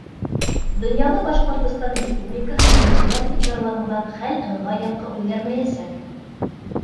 Донъяла Башҡортостан Республикаһын белмәйҙәр тип зарланыуҙан хәл ыңғай яҡҡа үҙгәрмәйәсәк.